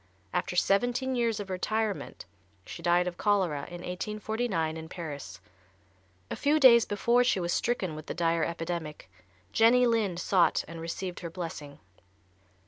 After seventeen years of retirement, she died of cholera in 1849, in Paris. A few days before she was stricken with the dire epidemic Jenny Lind sought and received her blessing.